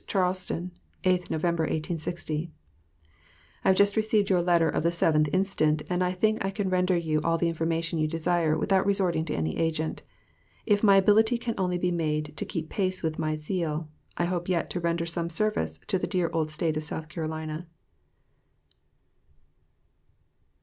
CHARLESTON, 8th Nov., 1860. I have just received your letter of the 7th inst., and I think I can render you all the information you desire, without resorting to any agent. If my ability can only be made to keep pace with my zeal, I hope yet to render some service to the dear old State of South Carolina.